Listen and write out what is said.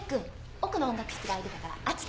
奥の音楽室が空いてたからあっちで着替えて。